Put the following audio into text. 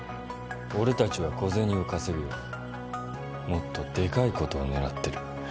俺たちは小銭を稼ぐよりももっとでかいことを狙ってる。